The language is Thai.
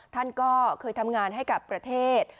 ท่านก็เคยทำงานให้กับประเทศ